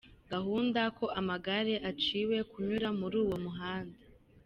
Gahunga ko amagare aciwe kunyura muri uwo muhanda.